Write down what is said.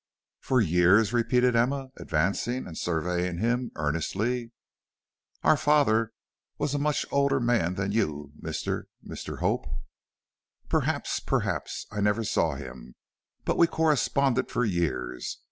"For years?" repeated Emma, advancing and surveying him earnestly. "Our father was a much older man than you, Mr. Mr. Hope." "Perhaps, perhaps, I never saw him. But we corresponded for years.